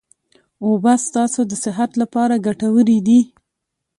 اوبه ستاسو د صحت لپاره ګټوري دي